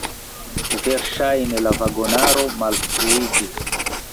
Verŝajne la vagonaro malfruiĝis.